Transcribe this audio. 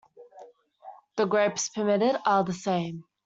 The grapes permitted are the same.